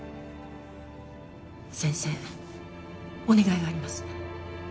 先生お願いがあります。